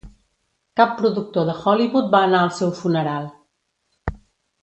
Cap productor de Hollywood va anar al seu funeral.